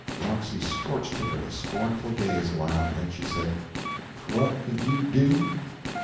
Roxy scorched him with a scornful gaze awhile, then she said "What could you do?